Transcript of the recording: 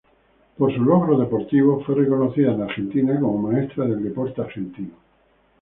Por sus logros deportivos fue reconocida en Argentina como Maestra del Deporte Argentino.